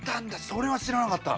それは知らなかった。